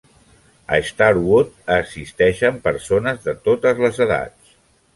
A Starwood assisteixen persones de totes les edats.